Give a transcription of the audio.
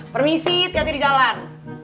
permisi tiada diri jalan